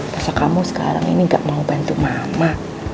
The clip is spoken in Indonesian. masa kamu sekarang ini gak mau bantu mama